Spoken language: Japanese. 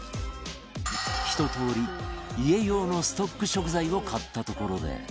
一通り家用のストック食材を買ったところで